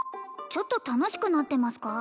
ちょっと楽しくなってますか？